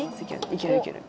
いけるいける。